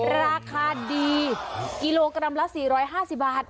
ราคาดีกิโลกรัมละ๔๕๐บาท